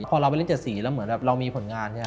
พอเราไปเล่นฟุตบอล๗สีแล้วเหมือนเรามีผลงาน